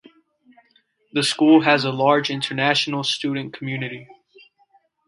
The school has a large international student community.